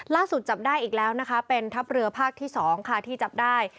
ล่าสุดจับได้อีกแล้วเป็นทัพเรือภาคที่๒ที่จับได้